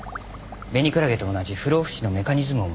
ベニクラゲと同じ不老不死のメカニズムを持っています。